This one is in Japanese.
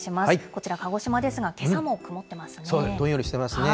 こちら、鹿児島ですが、けさも曇どんよりしてますね。